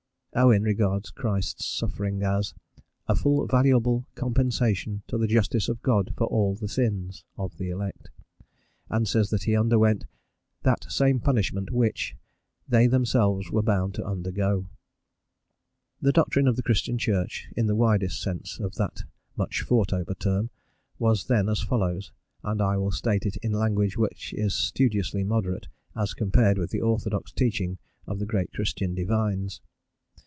Owen regards Christ's sufferings as "a full valuable compensation to the justice of God for all the sins" of the elect, and says that he underwent "that same punishment which.... they themselves were bound to undergo." The doctrine of the Christian Church in the widest sense of that much fought over term was then as follows, and I will state it in language which is studiously moderate, as compared with the orthodox teaching of the great Christian divines.